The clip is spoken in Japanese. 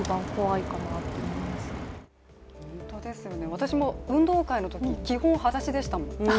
私も運動会のとき、基本、裸足でしたもん。